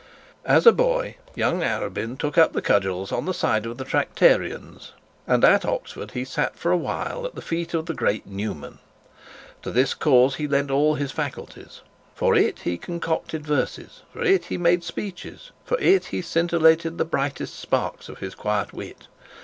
As a boy young Arabin took up the cudgels on the side of the Tractarians, and at Oxford he sat for a while at the feet of the great Newman. To this cause he lent all his faculties. For it he concocted verses, for it he made speeches, for it he scintillated the brightest sparks of his quiet wit.